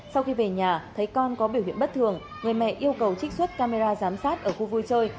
sau khi về nhà thấy con có biểu hiện bất thường người mẹ yêu cầu trích xuất camera giám sát ở khu vui chơi